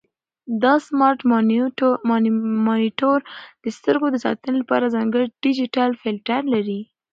دا سمارټ مانیټور د سترګو د ساتنې لپاره ځانګړی ډیجیټل فلټر لري.